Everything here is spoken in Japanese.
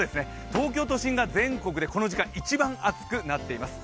東京都心が全国でこの時間一番暑くなっています。